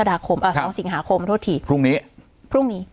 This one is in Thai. สองสิงหาคมโทษทีพรุ่งนี้พรุ่งนี้